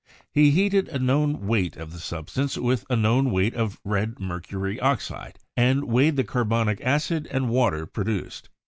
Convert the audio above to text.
He heated a known weight of the substance with a known weight of red mercury oxide, and weighed the car bonic acid and water produced.